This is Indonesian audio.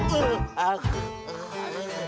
oh ribet bantah lo